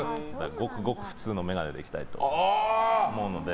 ごくごく普通の眼鏡で行きたいと思うので。